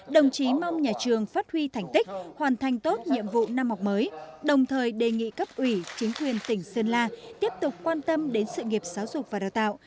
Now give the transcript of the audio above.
đồng chí mong nhà trường phát huy thành tích hoàn thành tốt nhiệm vụ năm học mới đồng thời đề nghị cấp ủy chính quyền tỉnh sơn la tiếp tục quan tâm đến sự nghiệp giáo dục và đào tạo